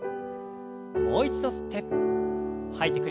もう一度吸って吐いて。